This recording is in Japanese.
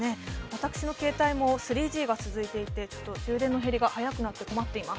私の携帯も３Ｇが続いて充電の減りが早くて困っています。